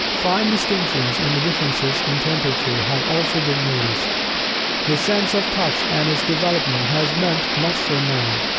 Fine distinctions in the differences in temperature have also been noticed. The sense of touch, and its development has meant much for Man.